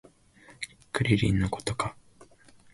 クリリンのことか